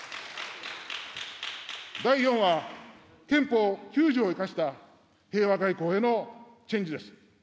第４は、憲法９条を生かした平和外交へのチェンジです。